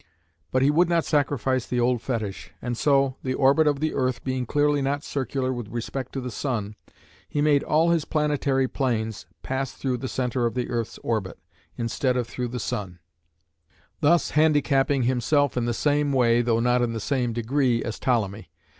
But he would not sacrifice the old fetish, and so, the orbit of the earth being clearly not circular with respect to the sun, he made all his planetary planes pass through the centre of the earth's orbit, instead of through the sun, thus handicapping himself in the same way though not in the same degree as Ptolemy.